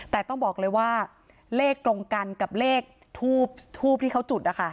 แต่ต้องบอกเลยว่าเลขตรงกันกับเลขทูบที่เขาจุดนะคะ